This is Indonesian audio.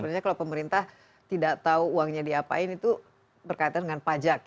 sebenarnya kalau pemerintah tidak tahu uangnya diapain itu berkaitan dengan pajak